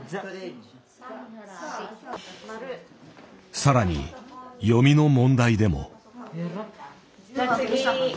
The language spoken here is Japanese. さらに読みの問題でも。